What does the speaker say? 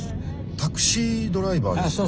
「タクシードライバー」ですか？